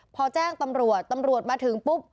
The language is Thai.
พอแจ้งตำรวจตำรวจมาถึงปุ๊บ